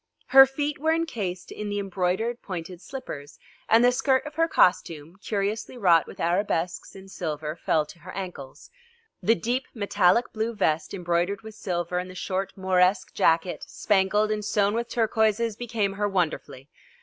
Her feet were encased in the embroidered pointed slippers and the skirt of her costume, curiously wrought with arabesques in silver, fell to her ankles. The deep metallic blue vest embroidered with silver and the short Mauresque jacket spangled and sewn with turquoises became her wonderfully.